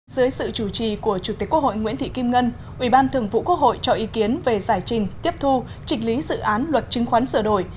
dưới sự chủ trì của chủ tịch quốc hội nguyễn thị kim ngân ủy ban thường vụ quốc hội cho ý kiến về giải trình tiếp thu chỉnh lý dự án luật chứng khoán sửa đổi